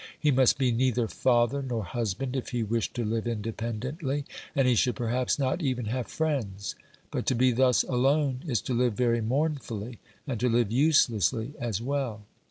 He must be neither father nor husband if he wish to live independently, and he should perhaps not even have friends ; but to be thus alone is to live very mournfully and to live uselessly as well.